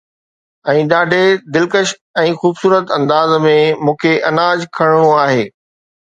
۽ ڏاڍي دلڪش ۽ خوبصورت انداز ۾ مون کي اناج کڻڻو آهي